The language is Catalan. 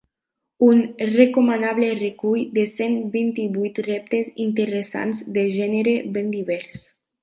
Un recomanable recull de cent vint-i-vuit reptes interessants de gènere ben divers.